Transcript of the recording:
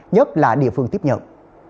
nhất là địa phương tiếp nhận